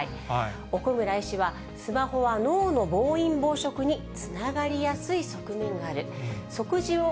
奥村医師は、スマホは脳の暴飲暴食につながりやすい側面がある。